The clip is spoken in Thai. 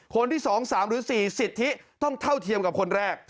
คนที่๒๓หรือ๔สิทธิต้องเท่าเทียมกับคนแรก